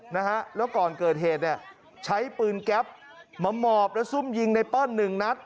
นะฮะแล้วก่อนเกิดเหตุเนี่ยใช้ปืนแก๊ปมาหมอบแล้วซุ่มยิงไนเปิ้ลหนึ่งนัด